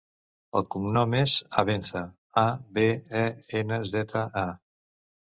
El cognom és Abenza: a, be, e, ena, zeta, a.